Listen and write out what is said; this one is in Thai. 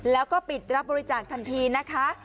แล้วก็ปิดรับบริจาคทันทีนะคะ